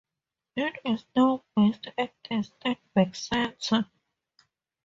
It is now based at the Sternberg Centre.